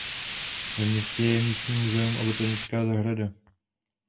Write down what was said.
Ve městě je místní muzeum a botanická zahrada.